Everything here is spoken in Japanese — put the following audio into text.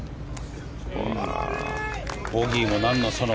ボギーも何のその。